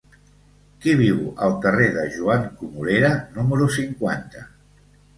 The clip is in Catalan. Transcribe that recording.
Qui viu al carrer de Joan Comorera número cinquanta?